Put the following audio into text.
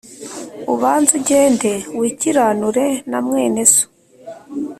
ubanze ugende wikiranure na mwene so